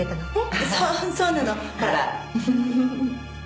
そうそうなの。ほら